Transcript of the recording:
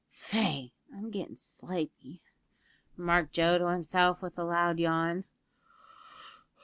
"Faix, I'm gettin' slaipy," remarked Joe to himself, with a loud yawn.